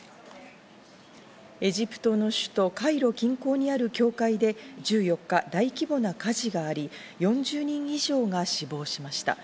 エジプトの首都カイロ近郊にある教会で１４日、大規模な火事があり、４０人以上が死亡しました。